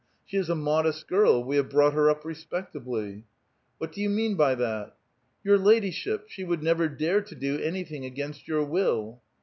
She is a modest girl ; we have brought her up respectably." " What do you mean b}' that? "" Your ladyship, she would never dare to do anything against your will."